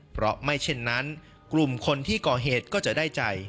เพราะไม่เช่นนั้นกลุ่มคนที่ก่อเหตุก็จะได้ใจ